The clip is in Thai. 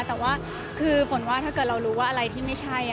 แต่ว่าคือฝนว่าถ้าเกิดเรารู้ว่าอะไรที่ไม่ใช่